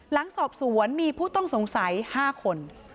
หลังสอบสวนมีผู้ต้องสงสัย๕คน